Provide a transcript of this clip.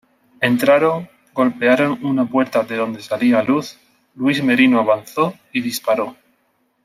Entraron, golpearon una puerta de donde salía luz, Luis Merino avanzó y disparó.